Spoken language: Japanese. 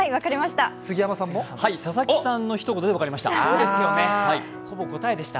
佐々木さんのひと言で分かりました。